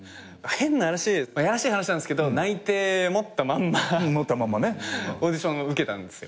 変な話やらしい話なんすけど内定持ったまんまオーディション受けたんすよ。